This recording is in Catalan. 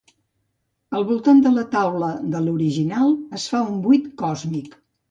Al voltant de la taula de l'Horiginal es fa un buit còsmic.